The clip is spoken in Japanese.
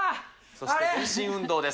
そして全身運動です。